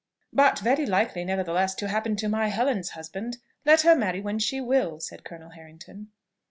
" But very likely, nevertheless, to happen to my Helen's husband, let her marry when she will," said Colonel Harrington.